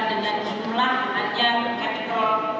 dengan jumlah yang hanya kapital